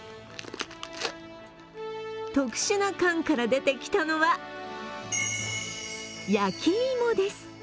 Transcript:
特殊な缶から出てきたのは焼き芋です。